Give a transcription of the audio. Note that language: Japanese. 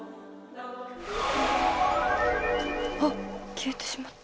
消えてしまった。